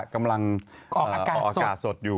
กำลังออกอากาศสดอยู่